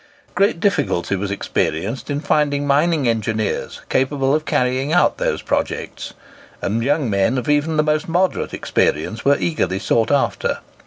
Great difficulty was experienced in finding mining engineers capable of carrying out those projects, and young men of even the most moderate experience were eagerly sought after.